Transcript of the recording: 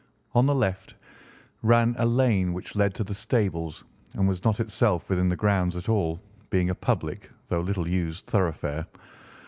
On the left ran a lane which led to the stables, and was not itself within the grounds at all, being a public, though little used, thoroughfare.